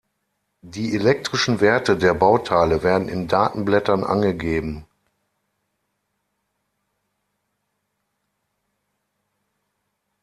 Die elektrischen Werte der Bauteile werden in Datenblättern angegeben.